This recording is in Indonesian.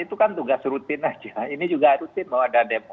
itu kan tugas rutin aja ini juga rutin bahwa ada demo